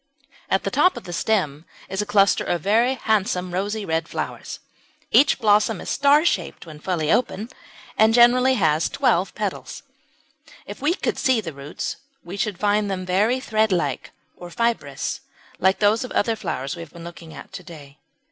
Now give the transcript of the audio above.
At the top of the stem is a cluster of very handsome rosy red flowers. Each blossom is star shaped when fully open, and generally has twelve petals. [Illustration: HOUSE LEEK.] If we could see the roots we should find them very thread like or fibrous, like those of other flowers we have been looking at to day.